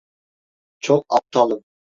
Çok aptalım!